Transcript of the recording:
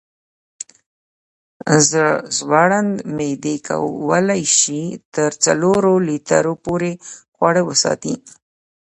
زړوند معدې کولی شي تر څلورو لیټرو پورې خواړه وساتي.